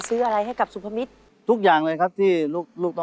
ที่สำคัญที่สุด